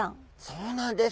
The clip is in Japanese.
そうなんです。